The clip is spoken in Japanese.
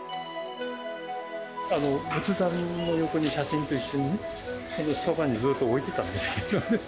仏壇の横に写真と一緒にね、それでそばにずっと置いてたんですけどね。